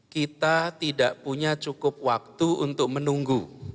kita tidak punya cukup waktu untuk menunggu